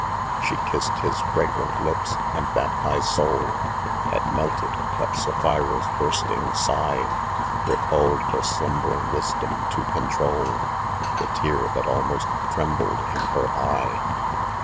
She kissed his fragrant lips, and that high soul Had melted, but Sapphira'a bursting sigh Hecalled her slumbering wisdom to control, The tear that almost trembled in her eye.